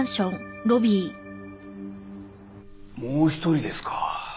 もう一人ですか。